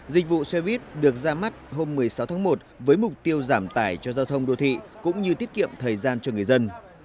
dịch vụ xe buýt được ra mắt hôm một mươi sáu tháng một với mục tiêu giảm tải cho giao thông đô thị cũng như tiết kiệm thời gian cho người dân